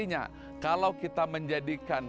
artinya kalau kita menjadikan